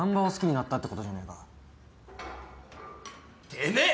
てめえ！